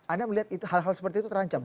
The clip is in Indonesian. anda melihat hal hal seperti itu terancam